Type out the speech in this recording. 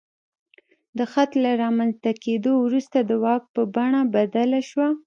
د خط له رامنځته کېدو وروسته د واک بڼه بدله شوه.